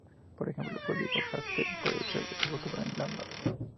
Por ejemplo, código Haskell puede ser ejecutado en Lambda.